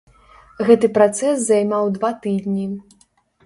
Гэты працэс займаў два тыдні.